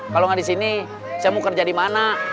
kalau nggak di sini saya mau kerja di mana